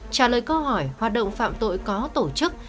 trả lời câu hỏi hoạt động phạm tội có tổ chức